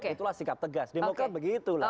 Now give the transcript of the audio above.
itulah sikap tegas demokrasi begitulah